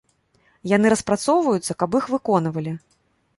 Яны распрацоўваюцца, каб іх выконвалі.